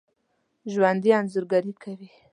ژوندي انځورګري کوي